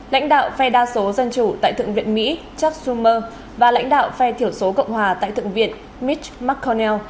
lãnh đạo phe đa số dân chủ tại thượng viện mỹ chuck schumer và lãnh đạo phe thiểu số cộng hòa tại thượng viện mitch mcconnell